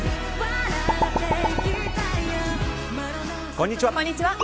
こんにちは。